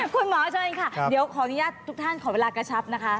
คุณหมอเชิญค่ะเดี๋ยวขออนุญาตทุกท่านขอเวลากระชับนะคะ